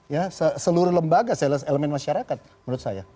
ya seluruh lembaga elemen masyarakat menurut saya